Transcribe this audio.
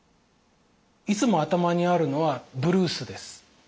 いつも頭にあるのはブルースです。